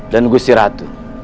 dan gusti ratu